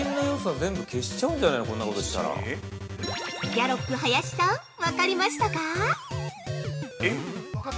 ◆ギャロップ林さん、分かりましたか。